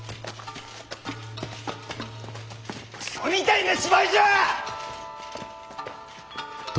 ・くそみたいな芝居じゃあ！